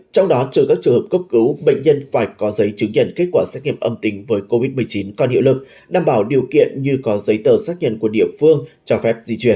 trong đó trừ các trường hợp cấp cứu bệnh nhân phải có giấy chứng nhận kết quả xét nghiệm âm tính với covid một mươi chín còn hiệu lực đảm bảo điều kiện như có giấy tờ xác nhận của địa phương cho phép di chuyển